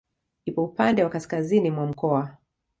Ipo upande wa kaskazini mwa mkoa.